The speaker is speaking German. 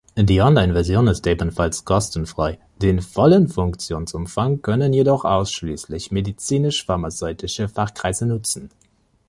Die Online-Version ist ebenfalls kostenfrei, den vollen Funktionsumfang können jedoch ausschließlich medizinisch-pharmazeutische Fachkreise nutzen.